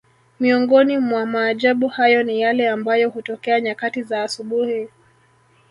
Miongoni mwa maajabu hayo ni yale ambayo hutokea nyakati za asubuhi